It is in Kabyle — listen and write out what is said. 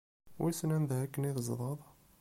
Wissen anda akken i tezdɣeḍ?